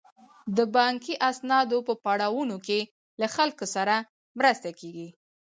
د بانکي اسنادو په پړاوونو کې له خلکو سره مرسته کیږي.